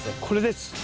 これです。